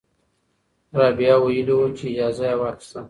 رابعه ویلي وو چې اجازه یې واخیسته.